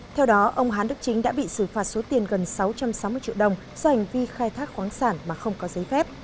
theo đó ông hán đức chính đã bị xử phạt số tiền gần sáu trăm sáu mươi triệu đồng do hành vi khai thác khoáng sản mà không có giấy phép